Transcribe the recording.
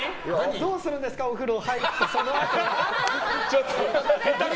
どうするんですかお風呂入ってそのあと。